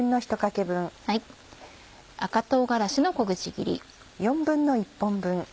赤唐辛子の小口切り。